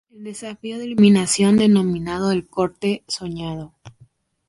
El Desafío de eliminación, denominado "El Corte Soñado".